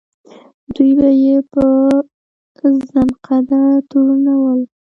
دوی به یې په زندقه تورنول.